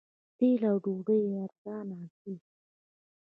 تیل او ډوډۍ ارزانه دي.